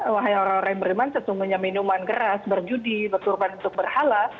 wahai orang orang yang beriman setungguhnya minuman geras berjudi berkorban untuk berhala